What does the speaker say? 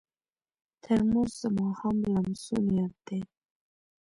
ترموز د ماښام لمسون یاد دی.